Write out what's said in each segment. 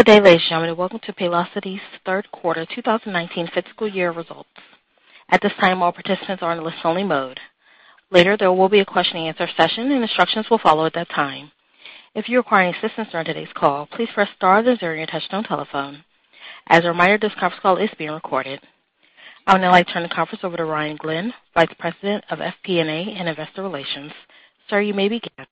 Good day, ladies and gentlemen. Welcome to Paylocity's third quarter 2019 fiscal year results. At this time, all participants are in listen-only mode. Later, there will be a question and answer session, and instructions will follow at that time. If you require any assistance during today's call, please press star then zero on your touch-tone telephone. As a reminder, this conference call is being recorded. I would now like to turn the conference over to Ryan Glenn, Vice President of FP&A and Investor Relations. Sir, you may begin.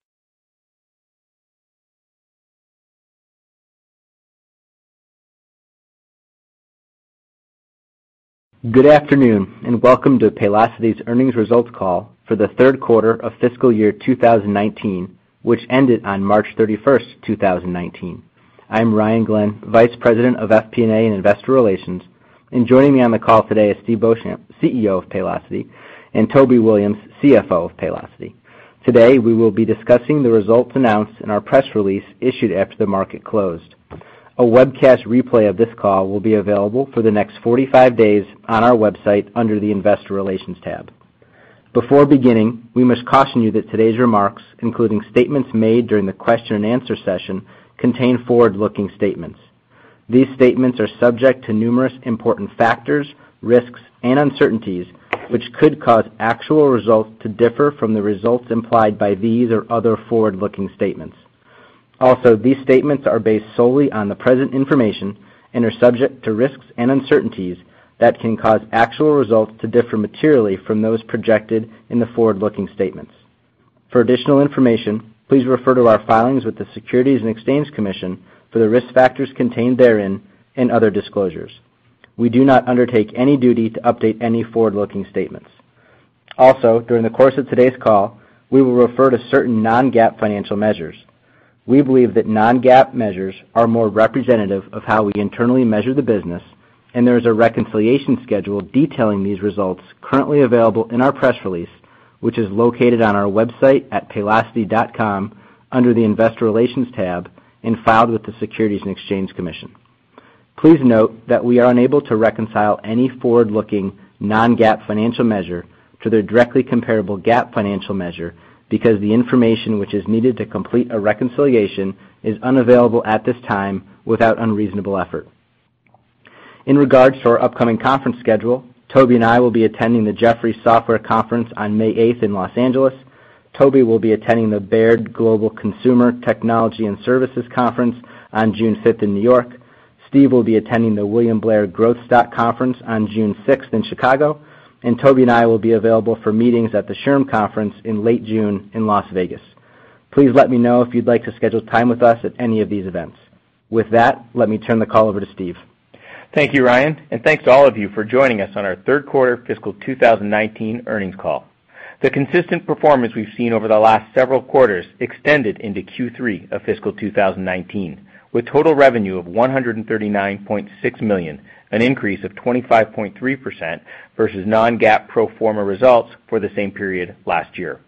Good afternoon, welcome to Paylocity's earnings results call for the third quarter of fiscal year 2019, which ended on March 31st, 2019. I'm Ryan Glenn, Vice President of FP&A and Investor Relations, and joining me on the call today is Steve Beauchamp, CEO of Paylocity, and Toby Williams, CFO of Paylocity. Today, we will be discussing the results announced in our press release issued after the market closed. A webcast replay of this call will be available for the next 45 days on our website under the Investor Relations tab. Before beginning, we must caution you that today's remarks, including statements made during the question and answer session, contain forward-looking statements. These statements are subject to numerous important factors, risks, and uncertainties which could cause actual results to differ from the results implied by these or other forward-looking statements. These statements are based solely on the present information and are subject to risks and uncertainties that can cause actual results to differ materially from those projected in the forward-looking statements. For additional information, please refer to our filings with the Securities and Exchange Commission for the risk factors contained therein and other disclosures. We do not undertake any duty to update any forward-looking statements. During the course of today's call, we will refer to certain non-GAAP financial measures. We believe that non-GAAP measures are more representative of how we internally measure the business, and there is a reconciliation schedule detailing these results currently available in our press release, which is located on our website at paylocity.com under the Investor Relations tab and filed with the Securities and Exchange Commission. Please note that we are unable to reconcile any forward-looking non-GAAP financial measure to their directly comparable GAAP financial measure because the information which is needed to complete a reconciliation is unavailable at this time without unreasonable effort. In regards to our upcoming conference schedule, Toby and I will be attending the Jefferies Software Conference on May 8th in Los Angeles. Toby will be attending the Baird Global Consumer Technology and Services Conference on June 5th in New York. Steve will be attending the William Blair Growth Stock Conference on June 6th in Chicago. Toby and I will be available for meetings at the SHRM Conference in late June in Las Vegas. Please let me know if you'd like to schedule time with us at any of these events. With that, let me turn the call over to Steve. Thanks to all of you for joining us on our third quarter fiscal 2019 earnings call. The consistent performance we've seen over the last several quarters extended into Q3 of fiscal 2019, with total revenue of $139.6 million, an increase of 25.3% versus non-GAAP pro forma results for the same period last year.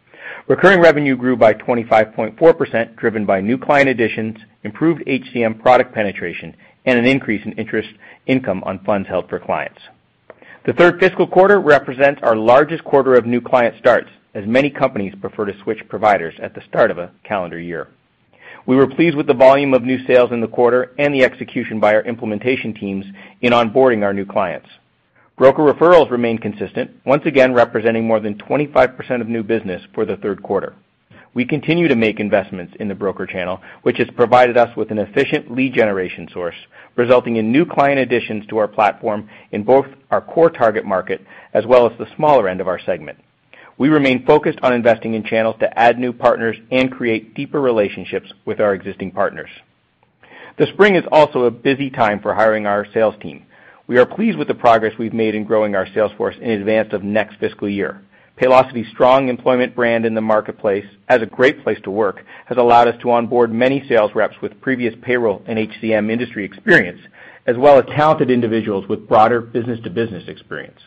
Recurring revenue grew by 25.4%, driven by new client additions, improved HCM product penetration, and an increase in interest income on funds held for clients. The third fiscal quarter represents our largest quarter of new client starts, as many companies prefer to switch providers at the start of a calendar year. We were pleased with the volume of new sales in the quarter and the execution by our implementation teams in onboarding our new clients. Broker referrals remain consistent, once again representing more than 25% of new business for the third quarter. We continue to make investments in the broker channel, which has provided us with an efficient lead generation source, resulting in new client additions to our platform in both our core target market as well as the smaller end of our segment. We remain focused on investing in channels to add new partners and create deeper relationships with our existing partners. The spring is also a busy time for hiring our sales team. We are pleased with the progress we've made in growing our sales force in advance of next fiscal year. Paylocity's strong employment brand in the marketplace as a great place to work has allowed us to onboard many sales reps with previous payroll and HCM industry experience, as well as talented individuals with broader business-to-business experience.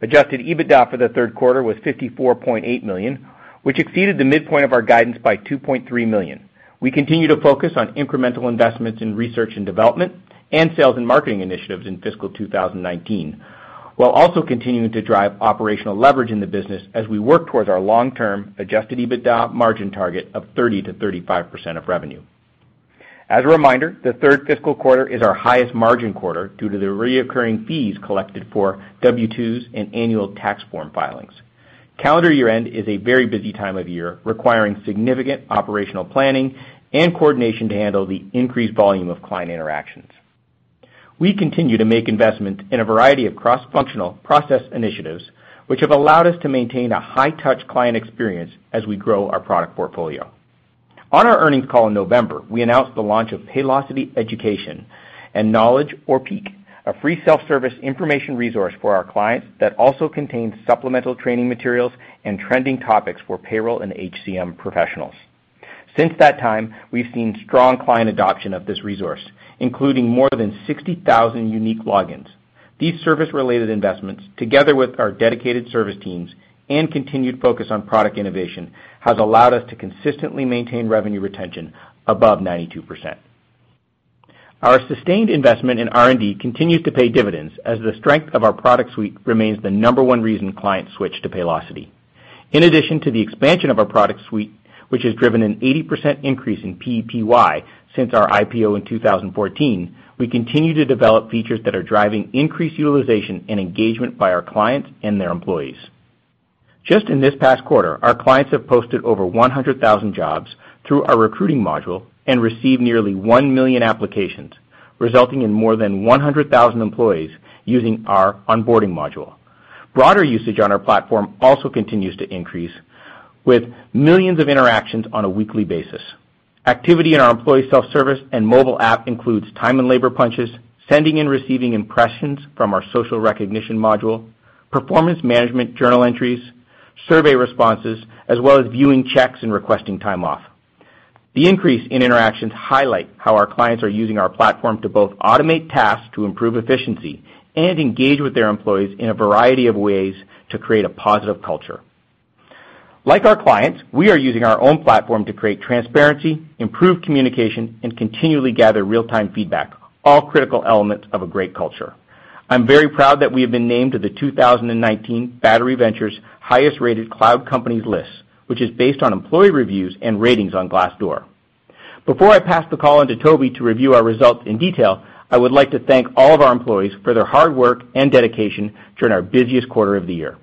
Adjusted EBITDA for the third quarter was $54.8 million, which exceeded the midpoint of our guidance by $2.3 million. We continue to focus on incremental investments in research and development and sales and marketing initiatives in fiscal 2019, while also continuing to drive operational leverage in the business as we work towards our long-term adjusted EBITDA margin target of 30%-35% of revenue. As a reminder, the third fiscal quarter is our highest margin quarter due to the recurring fees collected for W-2s and annual tax form filings. Calendar year-end is a very busy time of year, requiring significant operational planning and coordination to handle the increased volume of client interactions. We continue to make investments in a variety of cross-functional process initiatives, which have allowed us to maintain a high-touch client experience as we grow our product portfolio. On our earnings call in November, we announced the launch of Paylocity Education and Knowledge, or PEAK, a free self-service information resource for our clients that also contains supplemental training materials and trending topics for payroll and HCM professionals. Since that time, we've seen strong client adoption of this resource, including more than 60,000 unique logins. These service-related investments, together with our dedicated service teams and continued focus on product innovation, has allowed us to consistently maintain revenue retention above 92%. Our sustained investment in R&D continues to pay dividends as the strength of our product suite remains the number one reason clients switch to Paylocity. In addition to the expansion of our product suite, which has driven an 80% increase in PEPY since our IPO in 2014, we continue to develop features that are driving increased utilization and engagement by our clients and their employees. Just in this past quarter, our clients have posted over 100,000 jobs through our Recruiting module and received nearly one million applications, resulting in more than 100,000 employees using our onboarding module. Broader usage on our platform also continues to increase, with millions of interactions on a weekly basis. Activity in our employee self-service and mobile app includes time and labor punches, sending and receiving impressions from our social recognition module, performance management journal entries, survey responses, as well as viewing checks and requesting time off. The increase in interactions highlight how our clients are using our platform to both automate tasks to improve efficiency and engage with their employees in a variety of ways to create a positive culture. Like our clients, we are using our own platform to create transparency, improve communication, and continually gather real-time feedback, all critical elements of a great culture. I'm very proud that we have been named to the 2019 Battery Ventures highest-rated cloud companies list, which is based on employee reviews and ratings on Glassdoor. Before I pass the call on to Toby to review our results in detail, I would like to thank all of our employees for their hard work and dedication during our busiest quarter of the year.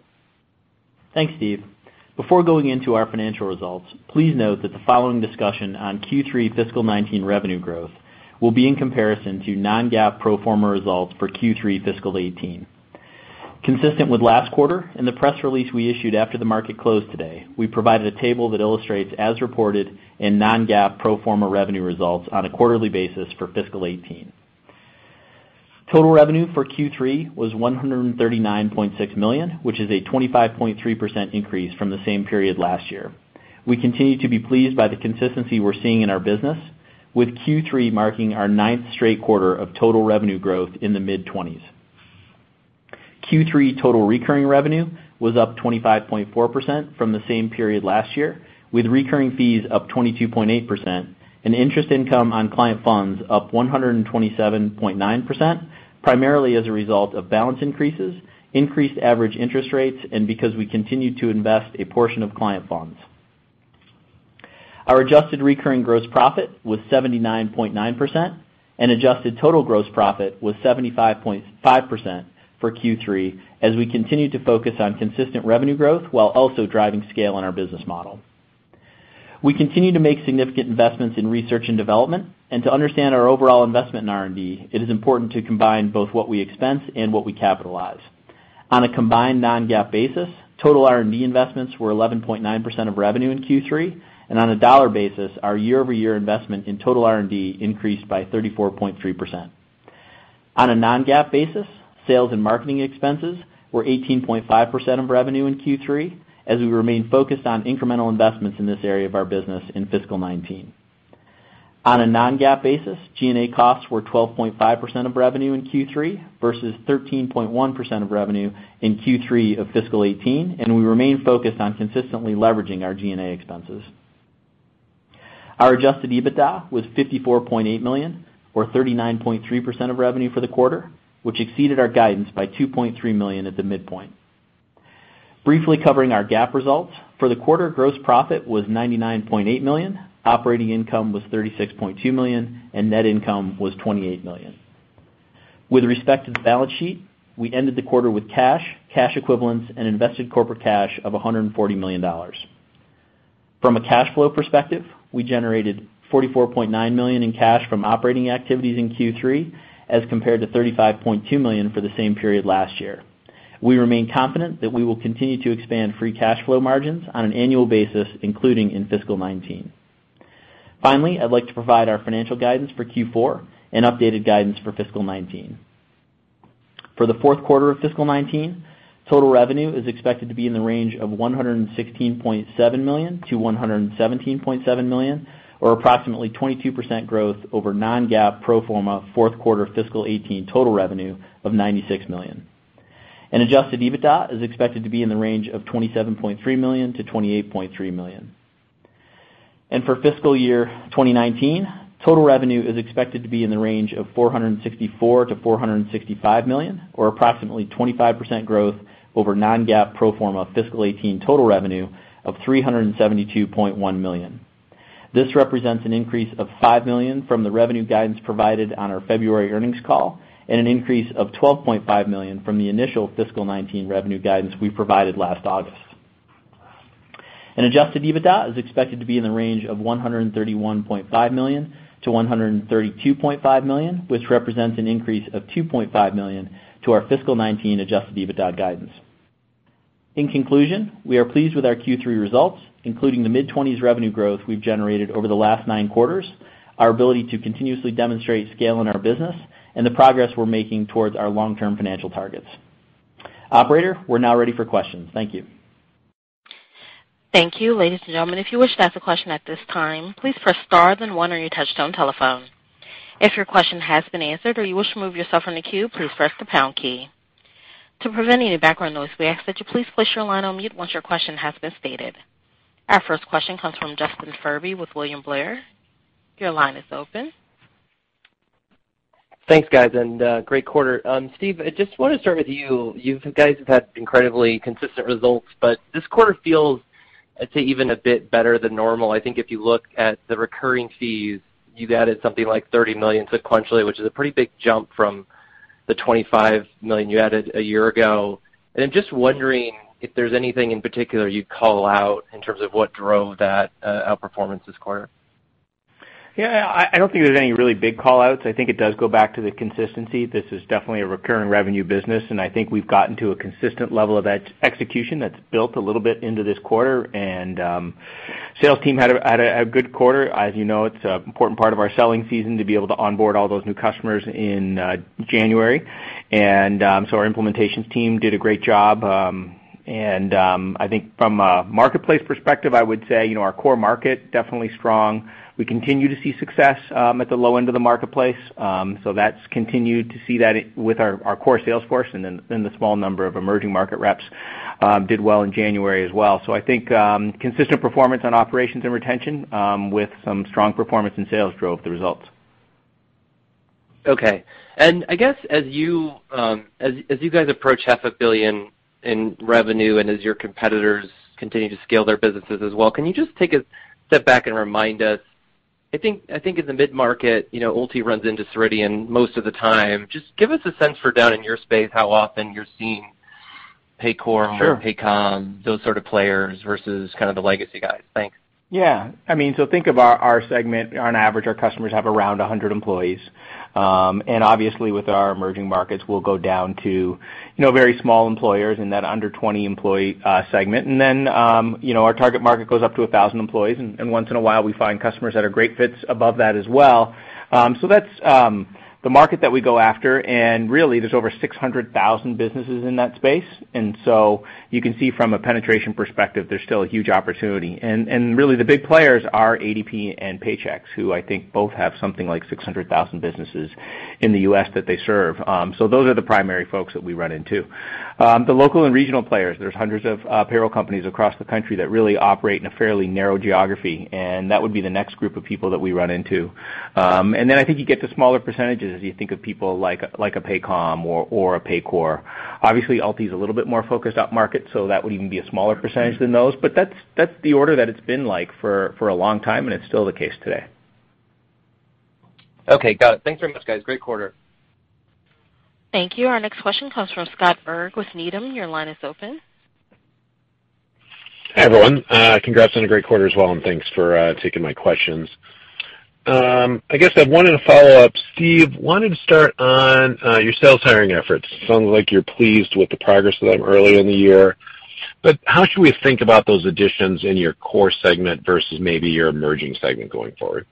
Thanks, Steve. Before going into our financial results, please note that the following discussion on Q3 fiscal 2019 revenue growth will be in comparison to non-GAAP pro forma results for Q3 fiscal 2018. Consistent with last quarter, in the press release we issued after the market closed today, we provided a table that illustrates as reported in non-GAAP pro forma revenue results on a quarterly basis for fiscal 2018. Total revenue for Q3 was $139.6 million, which is a 25.3% increase from the same period last year. We continue to be pleased by the consistency we're seeing in our business, with Q3 marking our ninth straight quarter of total revenue growth in the mid-20s. Q3 total recurring revenue was up 25.4% from the same period last year, with recurring fees up 22.8% and interest income on client funds up 127.9%, primarily as a result of balance increases, increased average interest rates, and because we continued to invest a portion of client funds. Our adjusted recurring gross profit was 79.9% and adjusted total gross profit was 75.5% for Q3 as we continued to focus on consistent revenue growth while also driving scale in our business model. We continue to make significant investments in research and development. To understand our overall investment in R&D, it is important to combine both what we expense and what we capitalize. On a combined non-GAAP basis, total R&D investments were 11.9% of revenue in Q3, and on a dollar basis, our year-over-year investment in total R&D increased by 34.3%. On a non-GAAP basis, sales and marketing expenses were 18.5% of revenue in Q3 as we remain focused on incremental investments in this area of our business in fiscal 2019. On a non-GAAP basis, G&A costs were 12.5% of revenue in Q3 versus 13.1% of revenue in Q3 of fiscal 2018. We remain focused on consistently leveraging our G&A expenses. Our adjusted EBITDA was $54.8 million, or 39.3% of revenue for the quarter, which exceeded our guidance by $2.3 million at the midpoint. Briefly covering our GAAP results. For the quarter, gross profit was $99.8 million, operating income was $36.2 million, and net income was $28 million. With respect to the balance sheet, we ended the quarter with cash equivalents, and invested corporate cash of $140 million. From a cash flow perspective, we generated $44.9 million in cash from operating activities in Q3 as compared to $35.2 million for the same period last year. We remain confident that we will continue to expand free cash flow margins on an annual basis, including in fiscal 2019. Finally, I'd like to provide our financial guidance for Q4 and updated guidance for fiscal 2019. For the fourth quarter of fiscal 2019, total revenue is expected to be in the range of $116.7 million-$117.7 million, or approximately 22% growth over non-GAAP pro forma fourth quarter fiscal 2018 total revenue of $96 million. Adjusted EBITDA is expected to be in the range of $27.3 million-$28.3 million. For fiscal year 2019, total revenue is expected to be in the range of $464 million-$465 million, or approximately 25% growth over non-GAAP pro forma fiscal 2018 total revenue of $372.1 million. This represents an increase of $5 million from the revenue guidance provided on our February earnings call and an increase of $12.5 million from the initial fiscal 2019 revenue guidance we provided last August. Adjusted EBITDA is expected to be in the range of $131.5 million-$132.5 million, which represents an increase of $2.5 million to our fiscal 2019 adjusted EBITDA guidance. In conclusion, we are pleased with our Q3 results, including the mid-20s revenue growth we've generated over the last nine quarters, our ability to continuously demonstrate scale in our business, and the progress we're making towards our long-term financial targets. Operator, we're now ready for questions. Thank you. Thank you. Ladies and gentlemen, if you wish to ask a question at this time, please press star then one on your touchtone telephone. If your question has been answered or you wish to remove yourself from the queue, please press the pound key. To prevent any background noise, we ask that you please place your line on mute once your question has been stated. Our first question comes from Justin Furby with William Blair. Your line is open. Thanks, guys, great quarter. Steve, I just want to start with you. You guys have had incredibly consistent results, but this quarter feels even a bit better than normal. I think if you look at the recurring fees, you've added something like $30 million sequentially, which is a pretty big jump from the $25 million you added a year ago. I'm just wondering if there's anything in particular you'd call out in terms of what drove that outperformance this quarter. Yeah. I don't think there's any really big call-outs. I think it does go back to the consistency. This is definitely a recurring revenue business, and I think we've gotten to a consistent level of execution that's built a little bit into this quarter. Sales team had a good quarter. As you know, it's an important part of our selling season to be able to onboard all those new customers in January. Our implementations team did a great job. I think from a marketplace perspective, I would say our core market, definitely strong. We continue to see success at the low end of the marketplace. That's continued to see that with our core sales force and the small number of emerging market reps did well in January as well. I think consistent performance on operations and retention, with some strong performance in sales drove the results. I guess as you guys approach half a billion in revenue and as your competitors continue to scale their businesses as well, can you just take a step back and remind us, I think in the mid-market, Ulti runs into Ceridian most of the time. Just give us a sense for down in your space, how often you're seeing Paycor- Sure Paycom, those sort of players versus the legacy guys. Thanks. Think of our segment. On average, our customers have around 100 employees. Obviously with our emerging markets, we'll go down to very small employers in that under 20 employee segment. Then our target market goes up to 1,000 employees, once in a while, we find customers that are great fits above that as well. That's the market that we go after, really, there's over 600,000 businesses in that space. So you can see from a penetration perspective, there's still a huge opportunity. Really the big players are ADP and Paychex, who I think both have something like 600,000 businesses in the U.S. that they serve. Those are the primary folks that we run into. The local and regional players, there's hundreds of payroll companies across the country that really operate in a fairly narrow geography, that would be the next group of people that we run into. Then I think you get to smaller percentages as you think of people like a Paycom or a Paycor. Obviously, Ulti's a little bit more focused up market, that would even be a smaller percentage than those. That's the order that it's been like for a long time, it's still the case today. Okay, got it. Thanks very much, guys. Great quarter. Thank you. Our next question comes from Scott Berg with Needham. Your line is open. Hi, everyone. Congrats on a great quarter as well, and thanks for taking my questions. I guess I wanted to follow up, Steve. I wanted to start on your sales hiring efforts. Sounds like you're pleased with the progress of them early in the year. How should we think about those additions in your core segment versus maybe your emerging segment going forward?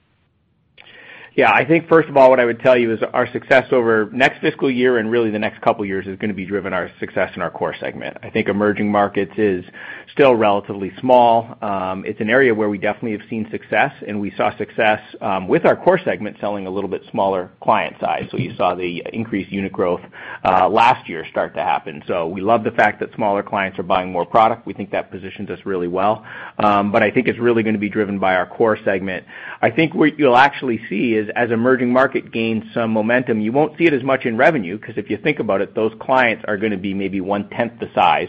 Yeah. I think first of all, what I would tell you is our success over next fiscal year and really the next couple of years is going to be driven our success in our core segment. I think emerging markets is still relatively small. It's an area where we definitely have seen success, and we saw success with our core segment selling a little bit smaller client size. You saw the increased unit growth last year start to happen. We love the fact that smaller clients are buying more product. We think that positions us really well. I think it's really going to be driven by our core segment. I think what you'll actually see is as emerging market gains some momentum, you won't see it as much in revenue, because if you think about it, those clients are going to be maybe one tenth the size,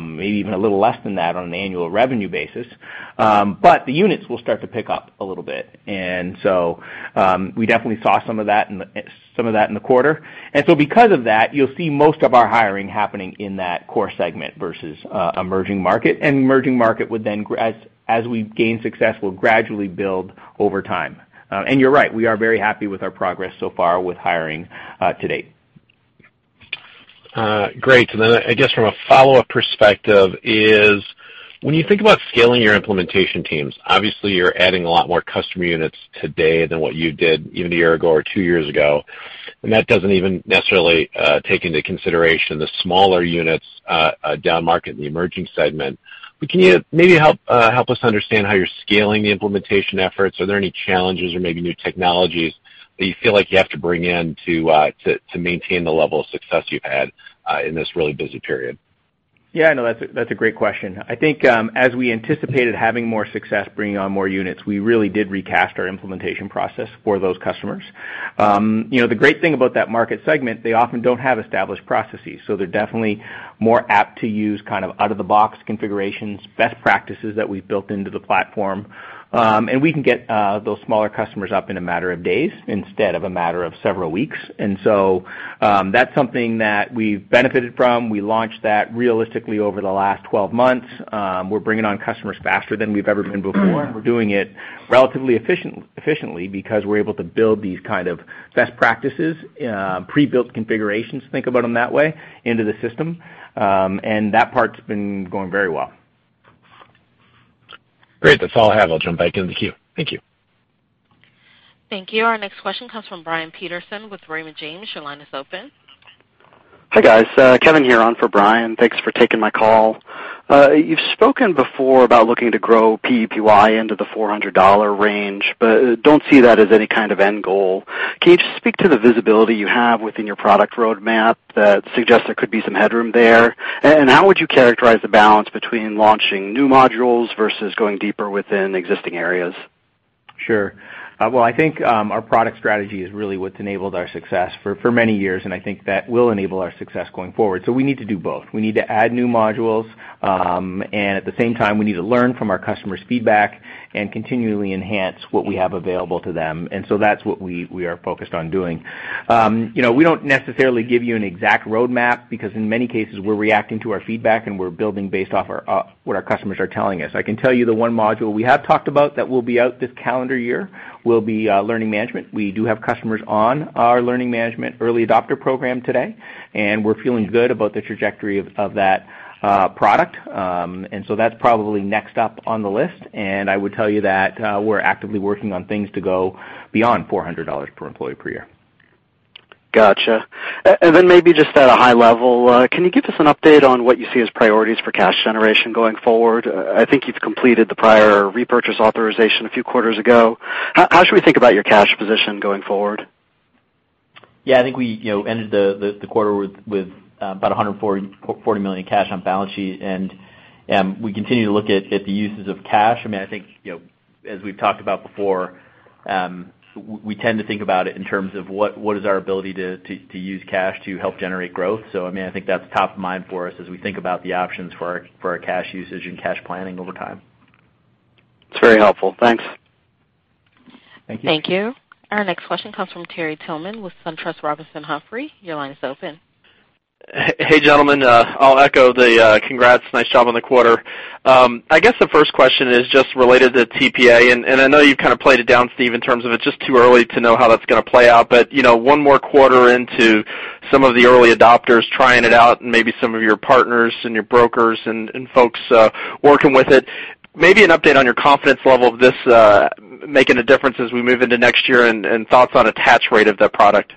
maybe even a little less than that on an annual revenue basis. The units will start to pick up a little bit. We definitely saw some of that in the quarter. Because of that, you'll see most of our hiring happening in that core segment versus emerging market. Emerging market would then, as we gain success, will gradually build over time. You're right, we are very happy with our progress so far with hiring to date. Great. I guess from a follow-up perspective is when you think about scaling your implementation teams, obviously you're adding a lot more customer units today than what you did even a year ago or two years ago. That doesn't even necessarily take into consideration the smaller units down market in the emerging segment. Can you maybe help us understand how you're scaling the implementation efforts? Are there any challenges or maybe new technologies that you feel like you have to bring in to maintain the level of success you've had in this really busy period? That's a great question. I think as we anticipated having more success bringing on more units, we really did recast our implementation process for those customers. The great thing about that market segment, they often don't have established processes, so they're definitely more apt to use out-of-the-box configurations, best practices that we've built into the platform. We can get those smaller customers up in a matter of days instead of a matter of several weeks. That's something that we've benefited from. We launched that realistically over the last 12 months. We're bringing on customers faster than we've ever been before. We're doing it relatively efficiently because we're able to build these best practices, pre-built configurations, think about them that way, into the system. That part's been going very well. Great. That's all I have. I'll jump back in the queue. Thank you. Thank you. Our next question comes from Brian Peterson with Raymond James. Your line is open. Hi, guys. Kevin here on for Brian. Thanks for taking my call. You've spoken before about looking to grow PEPY into the $400 range, don't see that as any kind of end goal. Can you just speak to the visibility you have within your product roadmap that suggests there could be some headroom there? How would you characterize the balance between launching new modules versus going deeper within existing areas? Sure. Well, I think our product strategy is really what's enabled our success for many years, and I think that will enable our success going forward. We need to do both. We need to add new modules, and at the same time, we need to learn from our customers' feedback and continually enhance what we have available to them. That's what we are focused on doing. We don't necessarily give you an exact roadmap because in many cases, we're reacting to our feedback, and we're building based off what our customers are telling us. I can tell you the one module we have talked about that will be out this calendar year will be learning management. We do have customers on our learning management early adopter program today, and we're feeling good about the trajectory of that product. That's probably next up on the list. I would tell you that we're actively working on things to go beyond $400 per employee per year. Got you. Maybe just at a high level, can you give us an update on what you see as priorities for cash generation going forward? I think you've completed the prior repurchase authorization a few quarters ago. How should we think about your cash position going forward? I think we ended the quarter with about $140 million cash on balance sheet, we continue to look at the uses of cash. I think, as we've talked about before, we tend to think about it in terms of what is our ability to use cash to help generate growth. I think that's top of mind for us as we think about the options for our cash usage and cash planning over time. It's very helpful. Thanks. Thank you. Thank you. Our next question comes from Terry Tillman with SunTrust Robinson Humphrey. Your line is open. Hey, gentlemen. I'll echo the congrats. Nice job on the quarter. I guess the first question is just related to TPA. I know you've kind of played it down, Steve, in terms of it's just too early to know how that's going to play out. One more quarter into some of the early adopters trying it out and maybe some of your partners and your brokers and folks working with it, maybe an update on your confidence level of this making a difference as we move into next year and thoughts on attach rate of the product.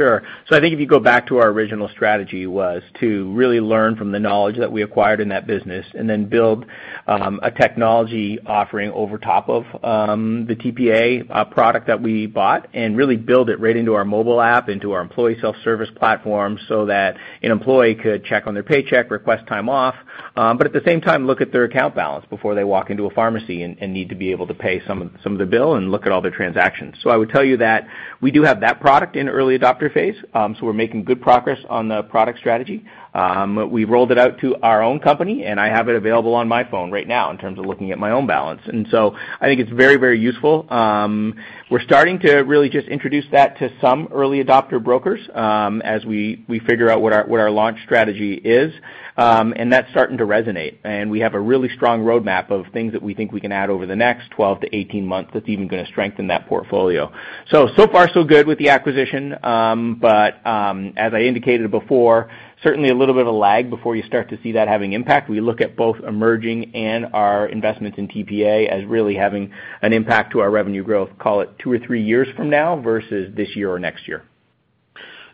Sure. I think if you go back to our original strategy was to really learn from the knowledge that we acquired in that business build a technology offering over top of the TPA product that we bought, really build it right into our mobile app, into our employee self-service platform, that an employee could check on their paycheck, request time off. At the same time, look at their account balance before they walk into a pharmacy need to be able to pay some of the bill look at all their transactions. I would tell you that we do have that product in early adopter phase. We're making good progress on the product strategy. We rolled it out to our own company, I have it available on my phone right now in terms of looking at my own balance. I think it's very useful. We're starting to really just introduce that to some early adopter brokers as we figure out what our launch strategy is. That's starting to resonate. We have a really strong roadmap of things that we think we can add over the next 12 to 18 months that's even going to strengthen that portfolio. So far so good with the acquisition. As I indicated before, certainly a little bit of lag before you start to see that having impact. We look at both emerging and our investments in TPA as really having an impact to our revenue growth, call it two or three years from now versus this year or next year.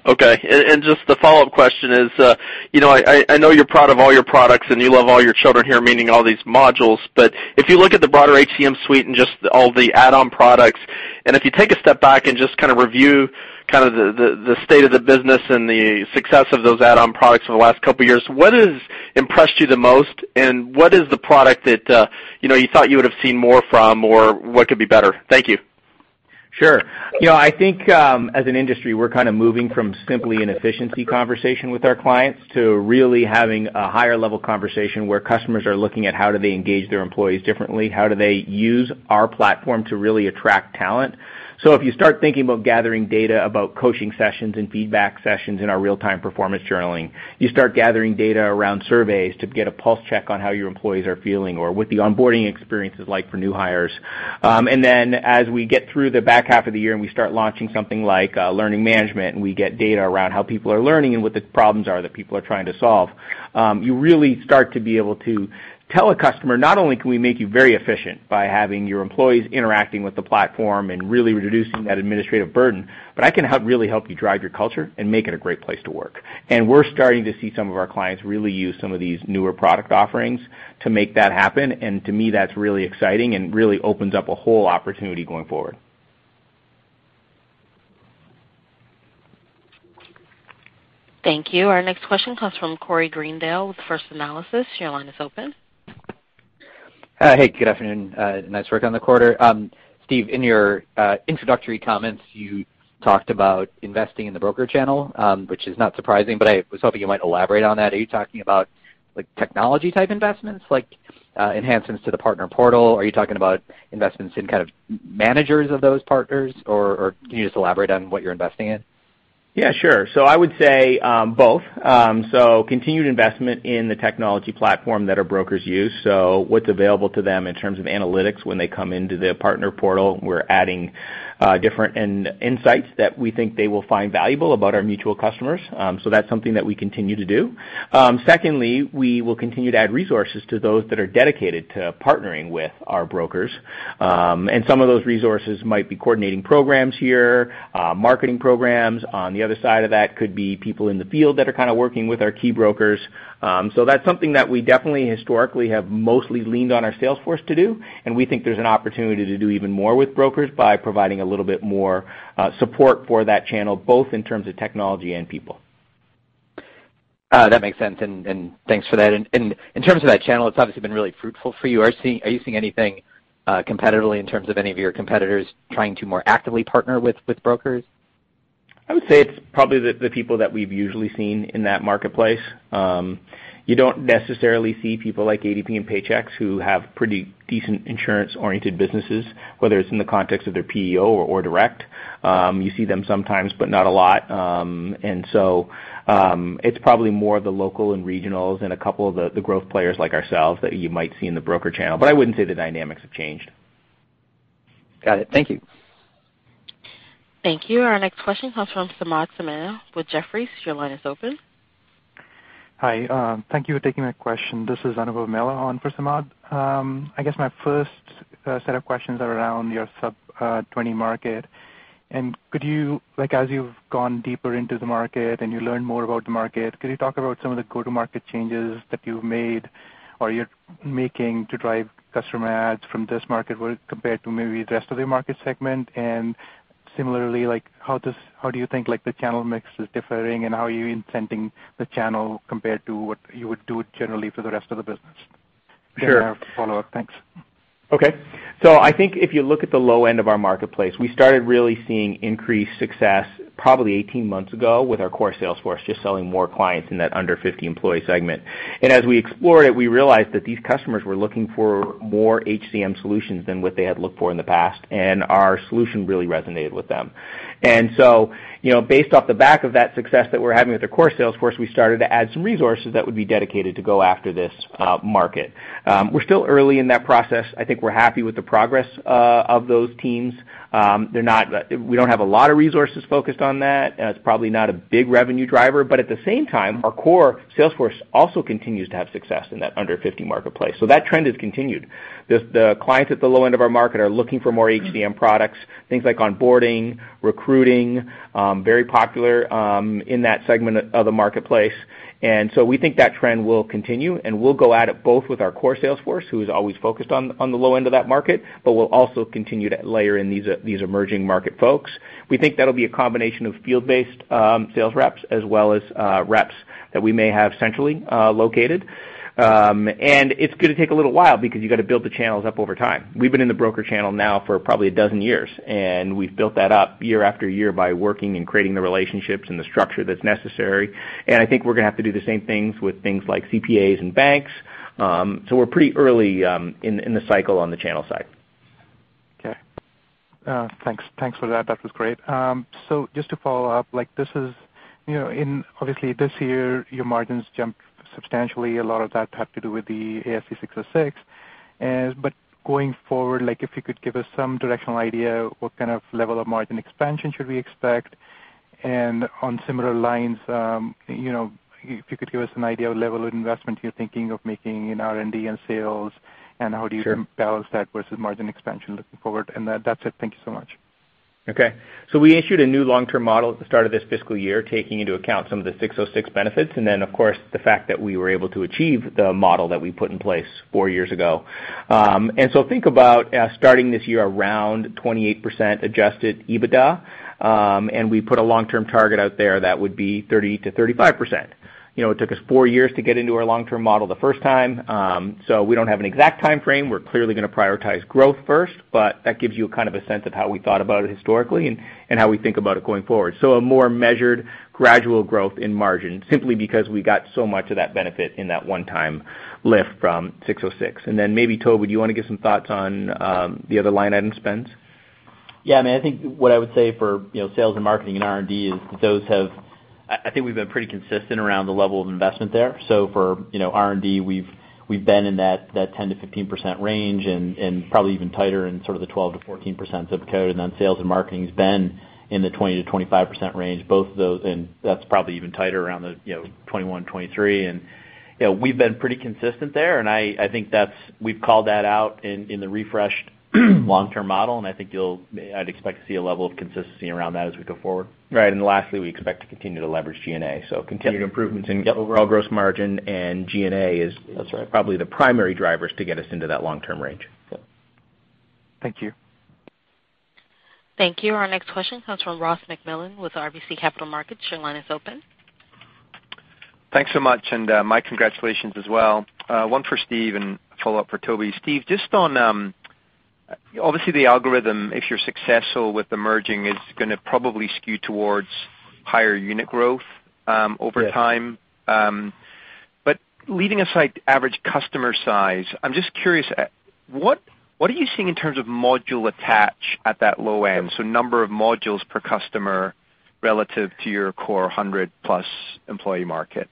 Okay. Just the follow-up question is I know you're proud of all your products, and you love all your children here, meaning all these modules. If you look at the broader HCM suite and just all the add-on products, if you take a step back and just kind of review the state of the business and the success of those add-on products over the last couple of years, what has impressed you the most? What is the product that you thought you would have seen more from or what could be better? Thank you. Sure. I think as an industry, we're kind of moving from simply an efficiency conversation with our clients to really having a higher-level conversation where customers are looking at how do they engage their employees differently, how do they use our platform to really attract talent. If you start thinking about gathering data about coaching sessions and feedback sessions in our real-time performance journaling, you start gathering data around surveys to get a pulse check on how your employees are feeling or what the onboarding experience is like for new hires. As we get through the back half of the year and we start launching something like Learning Management System, and we get data around how people are learning and what the problems are that people are trying to solve, you really start to be able to tell a customer, not only can we make you very efficient by having your employees interacting with the platform and really reducing that administrative burden, but I can really help you drive your culture and make it a great place to work. We're starting to see some of our clients really use some of these newer product offerings to make that happen. To me, that's really exciting and really opens up a whole opportunity going forward. Thank you. Our next question comes from Corey Greendale with First Analysis. Your line is open. Hey, good afternoon. Nice work on the quarter. Steve, in your introductory comments, you talked about investing in the broker channel, which is not surprising, but I was hoping you might elaborate on that. Are you talking about technology type investments, like enhancements to the partner portal? Are you talking about investments in kind of managers of those partners? Can you just elaborate on what you're investing in? Yeah, sure. I would say both. Continued investment in the technology platform that our brokers use. What's available to them in terms of analytics when they come into the partner portal. We're adding different insights that we think they will find valuable about our mutual customers. That's something that we continue to do. Secondly, we will continue to add resources to those that are dedicated to partnering with our brokers. Some of those resources might be coordinating programs here, marketing programs. On the other side of that could be people in the field that are working with our key brokers. That's something that we definitely historically have mostly leaned on our sales force to do, and we think there's an opportunity to do even more with brokers by providing a little bit more support for that channel, both in terms of technology and people. That makes sense, thanks for that. In terms of that channel, it's obviously been really fruitful for you. Are you seeing anything competitively in terms of any of your competitors trying to more actively partner with brokers? I would say it's probably the people that we've usually seen in that marketplace. You don't necessarily see people like ADP and Paychex who have pretty decent insurance-oriented businesses, whether it's in the context of their PEO or direct. You see them sometimes, but not a lot. It's probably more of the local and regionals and a couple of the growth players like ourselves that you might see in the broker channel. I wouldn't say the dynamics have changed. Got it. Thank you. Thank you. Our next question comes from Samad Samana with Jefferies. Your line is open. Hi. Thank you for taking my question. This is Anubhav Mehta on for Samad. I guess my first set of questions are around your sub-20 market. Could you, as you've gone deeper into the market and you learn more about the market, could you talk about some of the go-to-market changes that you've made or you're making to drive customer adds from this market compared to maybe the rest of the market segment? Similarly, how do you think the channel mix is differing, and how are you incenting the channel compared to what you would do generally for the rest of the business? Sure. I have a follow-up. Thanks. Okay. I think if you look at the low end of our marketplace, we started really seeing increased success probably 18 months ago with our core sales force just selling more clients in that under 50 employee segment. As we explored it, we realized that these customers were looking for more HCM solutions than what they had looked for in the past, and our solution really resonated with them. Based off the back of that success that we're having with the core sales force, we started to add some resources that would be dedicated to go after this market. We're still early in that process. I think we're happy with the progress of those teams. We don't have a lot of resources focused on that. It's probably not a big revenue driver. At the same time, our core sales force also continues to have success in that under 50 marketplace. That trend has continued. The clients at the low end of our market are looking for more HCM products, things like onboarding, Recruiting, very popular in that segment of the marketplace. We think that trend will continue, and we'll go at it both with our core sales force, who is always focused on the low end of that market, but we'll also continue to layer in these emerging market folks. We think that'll be a combination of field-based sales reps as well as reps that we may have centrally located. It's going to take a little while because you got to build the channels up over time. We've been in the broker channel now for probably 12 years. We've built that up year after year by working and creating the relationships and the structure that's necessary. I think we're going to have to do the same things with things like CPAs and banks. We're pretty early in the cycle on the channel side. Okay. Thanks for that. That was great. Just to follow up, obviously this year, your margins jumped substantially. A lot of that had to do with the ASC 606. Going forward, if you could give us some directional idea, what kind of level of margin expansion should we expect? On similar lines, if you could give us an idea of level of investment you're thinking of making in R&D and sales. Sure. How do you balance that versus margin expansion looking forward? That's it. Thank you so much. We issued a new long-term model at the start of this fiscal year, taking into account some of the 606 benefits, then, of course, the fact that we were able to achieve the model that we put in place four years ago. Think about starting this year around 28% adjusted EBITDA, and we put a long-term target out there that would be 30%-35%. It took us four years to get into our long-term model the first time, so we don't have an exact timeframe. We're clearly going to prioritize growth first, but that gives you a sense of how we thought about it historically and how we think about it going forward. A more measured, gradual growth in margin, simply because we got so much of that benefit in that one-time lift from 606. Maybe, Toby, do you want to give some thoughts on the other line item spends? I think what I would say for sales and marketing and R&D is I think we've been pretty consistent around the level of investment there. For R&D, we've been in that 10%-15% range and probably even tighter in sort of the 12%-14% zip code. Sales and marketing has been in the 20%-25% range, both of those, and that's probably even tighter around the 21%, 23%. We've been pretty consistent there, and I think we've called that out in the refreshed long-term model, and I think I'd expect to see a level of consistency around that as we go forward. Lastly, we expect to continue to leverage G&A, so continued improvements in overall gross margin and G&A. That's right. probably the primary drivers to get us into that long-term range. Thank you. Thank you. Our next question comes from Ross MacMillan with RBC Capital Markets. Your line is open. Thanks so much, Mike, congratulations as well. One for Steve and a follow-up for Toby. Steve, obviously the algorithm, if you're successful with the merging, is going to probably skew towards higher unit growth over time. Yes. Leaving aside average customer size, I'm just curious, what are you seeing in terms of module attach at that low end? Number of modules per customer relative to your core 100-plus employee market.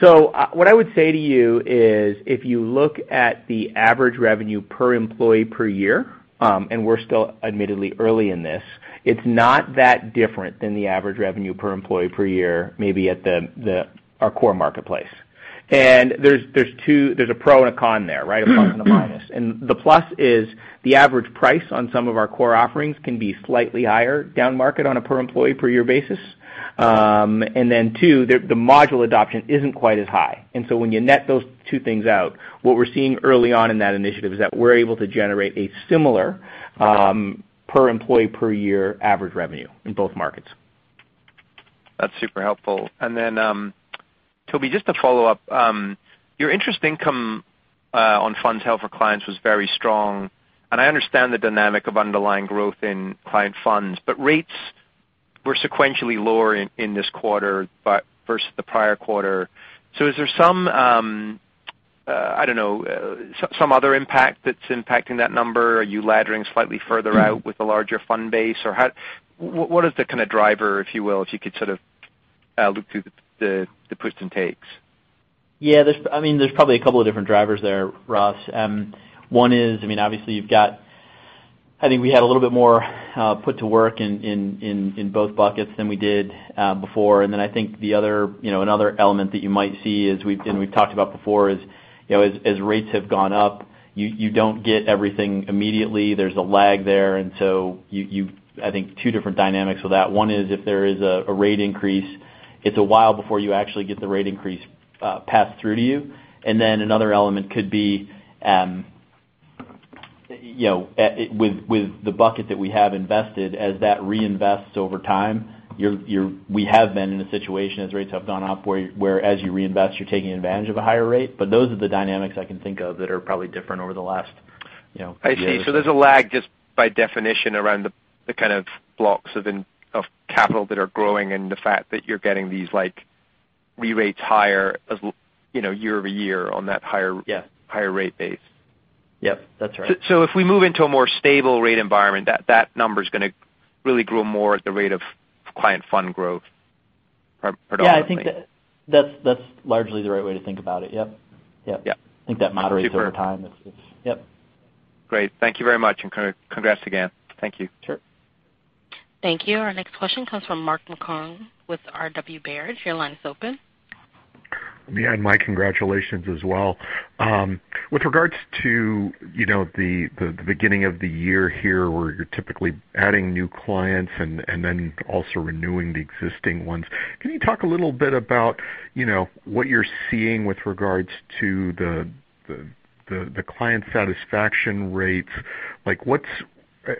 What I would say to you is if you look at the average revenue per employee per year, we're still admittedly early in this, it's not that different than the average revenue per employee per year, maybe at our core marketplace. There's a pro and a con there, right? A plus and a minus. The plus is the average price on some of our core offerings can be slightly higher down market on a per employee per year basis. Then two, the module adoption isn't quite as high. When you net those two things out, what we're seeing early on in that initiative is that we're able to generate a similar per employee per year average revenue in both markets. That's super helpful. Toby, just to follow up, your interest income on fund health for clients was very strong. I understand the dynamic of underlying growth in client funds, but rates were sequentially lower in this quarter versus the prior quarter. Is there some other impact that's impacting that number? Are you laddering slightly further out with the larger fund base? What is the driver, if you will, if you could sort of look through the push and takes? Yeah. There's probably a couple of different drivers there, Ross. One is, obviously you've got I think we had a little bit more put to work in both buckets than we did before. I think another element that you might see is, and we've talked about before, is as rates have gone up, you don't get everything immediately. There's a lag there. I think two different dynamics with that. One is if there is a rate increase, it's a while before you actually get the rate increase passed through to you. Another element could be with the bucket that we have invested, as that reinvests over time, we have been in a situation as rates have gone up, where as you reinvest, you're taking advantage of a higher rate. Those are the dynamics I can think of that are probably different over the last year. I see. There's a lag just by definition around the kind of blocks of capital that are growing, and the fact that you're getting these re-rates higher year-over-year on that higher- Yeah higher rate base. Yep, that's right. If we move into a more stable rate environment, that number's going to really grow more at the rate of client fund growth predominantly. Yeah, I think that's largely the right way to think about it. Yep. Yeah. I think that moderates. Super Over time. Yes. Great. Thank you very much. Congratulations again. Thank you. Sure. Thank you. Our next question comes from Mark Marcon with RW Baird. Your line is open. My congratulations as well. With regards to the beginning of the year here, where you're typically adding new clients and also renewing the existing ones. Can you talk a little bit about what you're seeing with regards to the client satisfaction rates?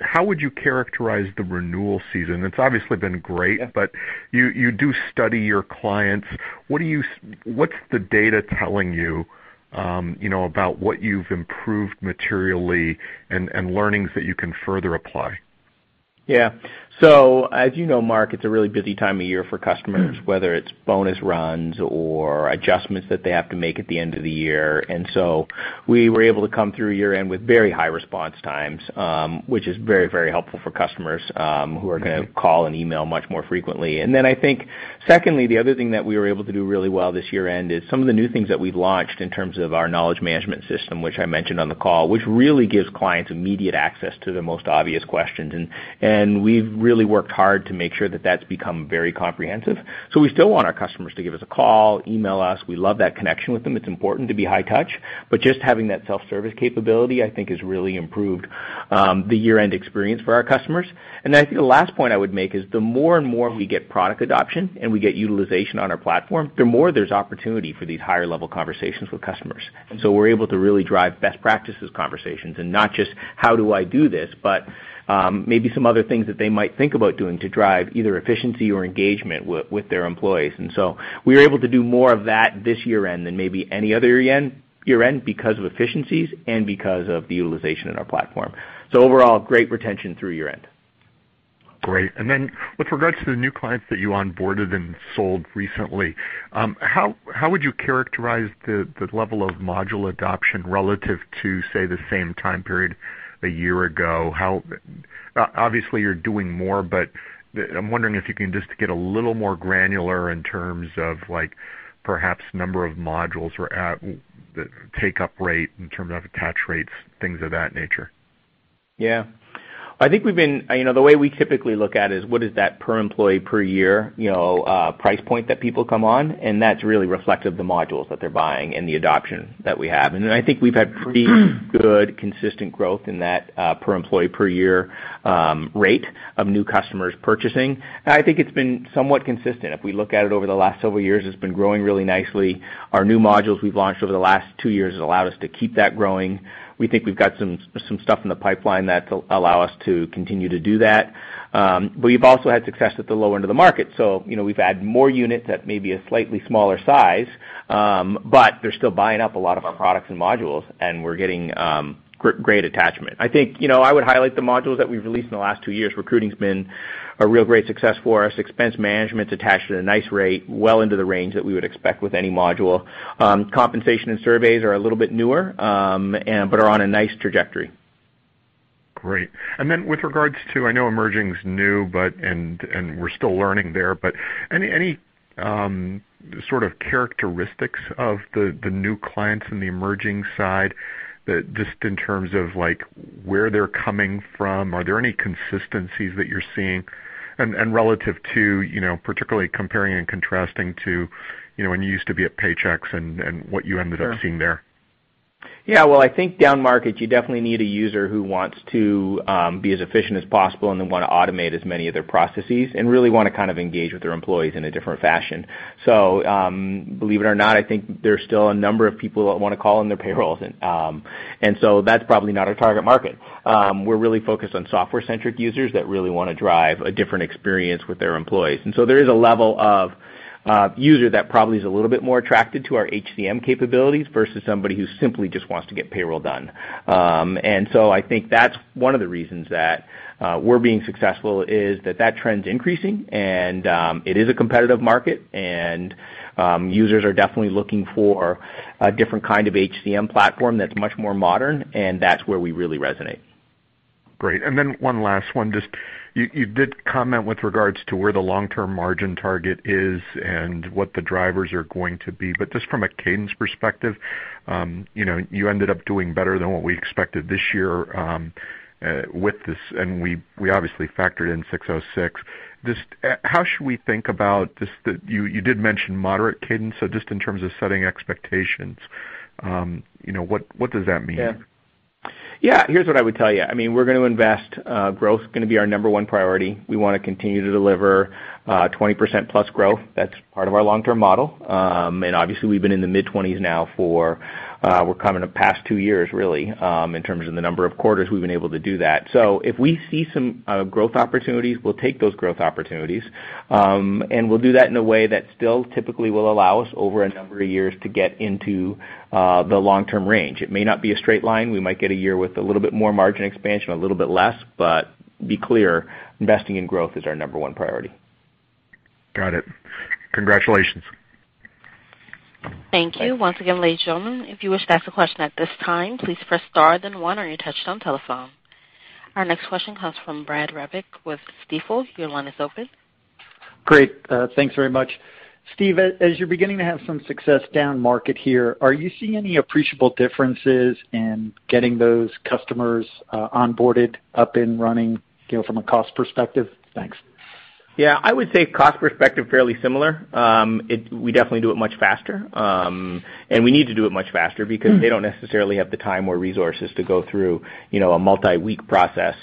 How would you characterize the renewal season? It's obviously been great- Yeah You do study your clients. What's the data telling you about what you've improved materially and learnings that you can further apply? As you know, Mark, it's a really busy time of year for customers, whether it's bonus runs or adjustments that they have to make at the end of the year. We were able to come through year-end with very high response times, which is very helpful for customers who are going to call and email much more frequently. I think secondly, the other thing that we were able to do really well this year-end is some of the new things that we've launched in terms of our knowledge management system, which I mentioned on the call, which really gives clients immediate access to the most obvious questions. We've really worked hard to make sure that's become very comprehensive. We still want our customers to give us a call, email us. We love that connection with them. It's important to be high touch, but just having that self-service capability, I think, has really improved the year-end experience for our customers. I think the last point I would make is the more and more we get product adoption and we get utilization on our platform, the more there's opportunity for these higher-level conversations with customers. We're able to really drive best practices conversations and not just how do I do this, but maybe some other things that they might think about doing to drive either efficiency or engagement with their employees. We were able to do more of that this year-end than maybe any other year-end because of efficiencies and because of the utilization in our platform. Overall, great retention through year-end. Great. With regards to the new clients that you onboarded and sold recently, how would you characterize the level of module adoption relative to, say, the same time period a year ago? Obviously you're doing more, but I'm wondering if you can just get a little more granular in terms of perhaps number of modules or take-up rate in terms of attach rates, things of that nature. Yeah. The way we typically look at it is what is that per employee per year price point that people come on, and that's really reflective of the modules that they're buying and the adoption that we have. Then I think we've had pretty good consistent growth in that per employee per year rate of new customers purchasing. I think it's been somewhat consistent. If we look at it over the last several years, it's been growing really nicely. Our new modules we've launched over the last two years has allowed us to keep that growing. We think we've got some stuff in the pipeline that allow us to continue to do that. We've also had success at the lower end of the market. We've had more units at maybe a slightly smaller size, they're still buying up a lot of our products and modules, we're getting great attachment. I think I would highlight the modules that we've released in the last two years. Recruiting's been a real great success for us. Expense management's attached at a nice rate, well into the range that we would expect with any module. Compensation and surveys are a little bit newer, are on a nice trajectory. Great. With regards to, I know emerging is new, we're still learning there, any sort of characteristics of the new clients in the emerging side, just in terms of where they're coming from? Are there any consistencies that you're seeing? Relative to, particularly comparing and contrasting to when you used to be at Paychex and what you ended up seeing there. Sure. Yeah, well, I think down market, you definitely need a user who wants to be as efficient as possible and then want to automate as many of their processes and really want to engage with their employees in a different fashion. Believe it or not, I think there's still a number of people that want to call in their payrolls. That's probably not our target market. We're really focused on software-centric users that really want to drive a different experience with their employees. There is a level of user that probably is a little bit more attracted to our HCM capabilities versus somebody who simply just wants to get payroll done. I think that's one of the reasons that we're being successful is that trend's increasing, and it is a competitive market, and users are definitely looking for a different kind of HCM platform that's much more modern, and that's where we really resonate. Great. One last one. You did comment with regards to where the long-term margin target is and what the drivers are going to be, just from a cadence perspective, you ended up doing better than what we expected this year with this, we obviously factored in 606. You did mention moderate cadence, just in terms of setting expectations, what does that mean? Yeah. Here's what I would tell you. We're going to invest. Growth is going to be our number 1 priority. We want to continue to deliver 20% plus growth. That's part of our long-term model. Obviously, we've been in the mid-twenties now for, well, coming up past two years, really, in terms of the number of quarters we've been able to do that. If we see some growth opportunities, we'll take those growth opportunities, we'll do that in a way that still typically will allow us over a number of years to get into the long-term range. It may not be a straight line. We might get a year with a little bit more margin expansion, a little bit less, be clear, investing in growth is our number 1 priority. Got it. Congratulations. Thank you. Once again, ladies and gentlemen, if you wish to ask a question at this time, please press star then one on your touchtone telephone. Our next question comes from Brad Reback with Stifel. Your line is open. Great. Thanks very much. Steve, as you're beginning to have some success down market here, are you seeing any appreciable differences in getting those customers onboarded up and running from a cost perspective? Thanks. Yeah. I would say cost perspective, fairly similar. We definitely do it much faster. We need to do it much faster because they don't necessarily have the time or resources to go through a multi-week process.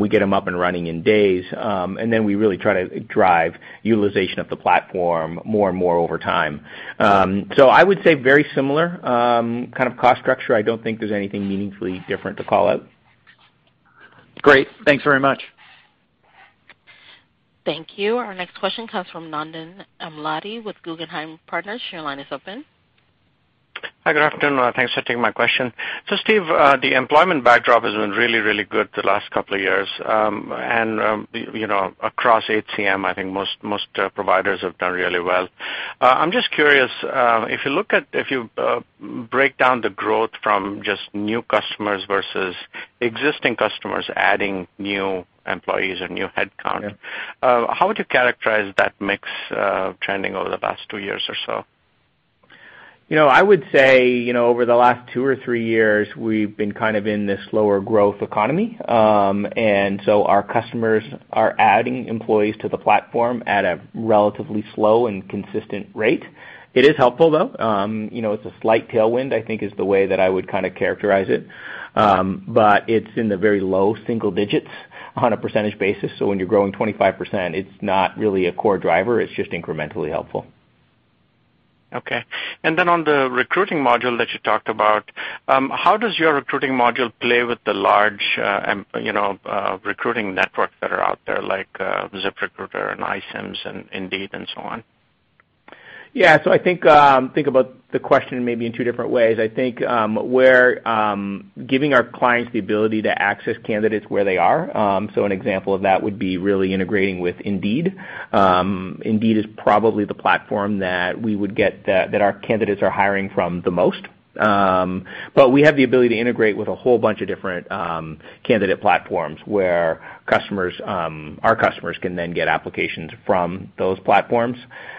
We get them up and running in days, then we really try to drive utilization of the platform more and more over time. I would say very similar kind of cost structure. I don't think there's anything meaningfully different to call out. Great. Thanks very much. Thank you. Our next question comes from Nandan Amlani with Guggenheim Partners. Your line is open. Hi. Good afternoon. Thanks for taking my question. Steve, the employment backdrop has been really, really good the last couple of years. And across HCM, I think most providers have done really well. I'm just curious, if you break down the growth from just new customers versus existing customers adding new employees or new headcount- Yeah how would you characterize that mix trending over the past two years or so? I would say, over the last two or three years, we've been kind of in this slower growth economy. Our customers are adding employees to the platform at a relatively slow and consistent rate. It is helpful, though. It's a slight tailwind, I think, is the way that I would characterize it. It's in the very low single digits on a percentage basis. When you're growing 25%, it's not really a core driver. It's just incrementally helpful. Okay. On the Recruiting module that you talked about, how does your Recruiting module play with the large recruiting networks that are out there, like ZipRecruiter and iCIMS and Indeed and so on? Yeah. I think about the question maybe in two different ways. I think we're giving our clients the ability to access candidates where they are. An example of that would be really integrating with Indeed. Indeed is probably the platform that our candidates are hiring from the most. We have the ability to integrate with a whole bunch of different candidate platforms where our customers can then get applications from those platforms.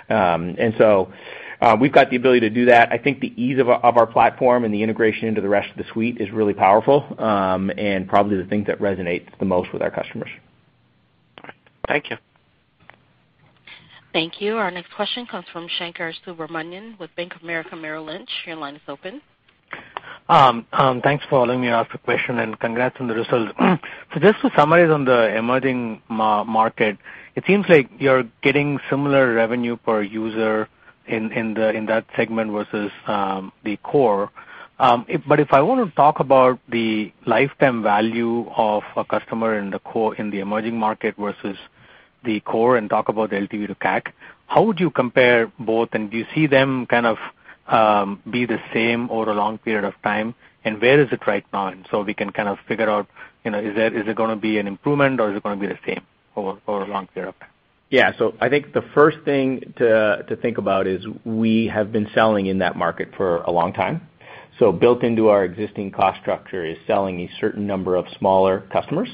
We've got the ability to do that. I think the ease of our platform and the integration into the rest of the suite is really powerful, and probably the thing that resonates the most with our customers. All right. Thank you. Thank you. Our next question comes from Shankar Subramanian with Bank of America Merrill Lynch. Your line is open. Thanks for allowing me to ask a question, and congrats on the results. Just to summarize on the emerging market, it seems like you're getting similar revenue per user in that segment versus the core. If I want to talk about the lifetime value of a customer in the emerging market versus the core and talk about LTV to CAC, how would you compare both, and do you see them kind of be the same over a long period of time? Where is it right now? We can kind of figure out, is it going to be an improvement, or is it going to be the same over a long period of time? I think the first thing to think about is we have been selling in that market for a long time. Built into our existing cost structure is selling a certain number of smaller customers.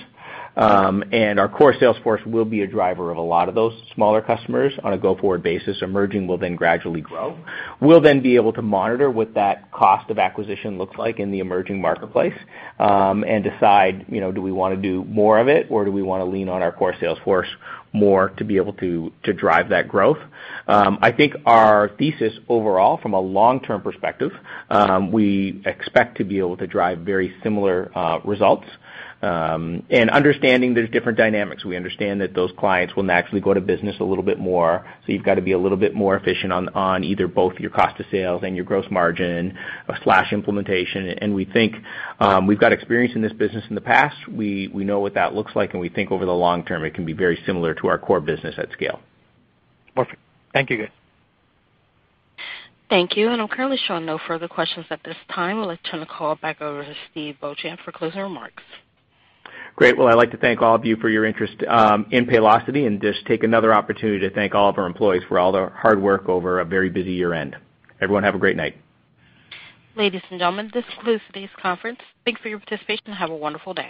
Our core sales force will be a driver of a lot of those smaller customers on a go-forward basis. Emerging will gradually grow. We'll be able to monitor what that cost of acquisition looks like in the emerging marketplace, and decide, do we want to do more of it, or do we want to lean on our core sales force more to be able to drive that growth? I think our thesis overall from a long-term perspective, we expect to be able to drive very similar results. Understanding there's different dynamics. We understand that those clients will naturally go to business a little bit more. You've got to be a little bit more efficient on either both your cost of sales and your gross margin/implementation. We think we've got experience in this business in the past. We know what that looks like, and we think over the long term, it can be very similar to our core business at scale. Perfect. Thank you, guys. Thank you. I'm currently showing no further questions at this time. I'd like to turn the call back over to Steve Beauchamp for closing remarks. Great. Well, I'd like to thank all of you for your interest in Paylocity, and just take another opportunity to thank all of our employees for all their hard work over a very busy year-end. Everyone have a great night. Ladies and gentlemen, this concludes today's conference. Thanks for your participation and have a wonderful day.